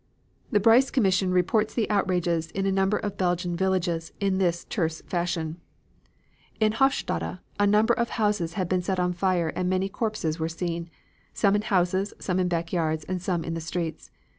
The Bryce Commission reports the outrages in a number of Belgian villages in this terse fashion: "In Hofstade a number of houses had been set on fire and many corpses were seen, some in houses, some in back yards, and some in the streets.